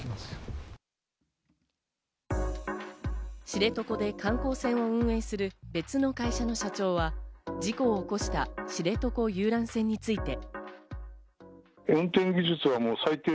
知床で観光船運営する別の会社の社長は事故を起こした知床遊覧船について。